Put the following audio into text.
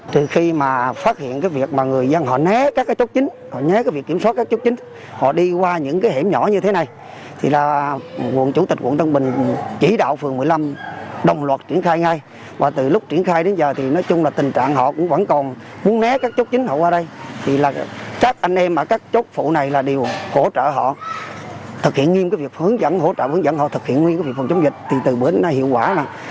thực hiện nhiệm vụ hướng dẫn hỗ trợ hướng dẫn họ thực hiện nguyên vụ phòng chống dịch thì từ bữa đến nay hiệu quả là